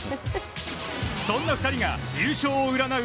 そんな２人が優勝を占う